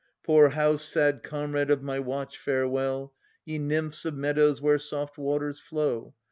Poor house, sad comrade of my watch, farewell! Ye nymphs of meadows where soft waters flow.